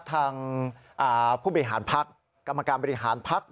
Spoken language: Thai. ทางผู้บริหารพักกรรมการบริหารพัก